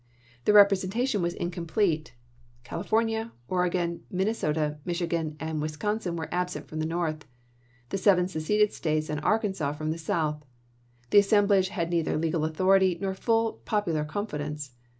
The representation was incomplete — California, Oregon, Minnesota, Michigan, and Wis consin were absent from the North ; the seven seceded States and Arkansas from the South. The assemblage had neither legal authority nor full popular* confidence.